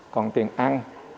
còn tiền ăn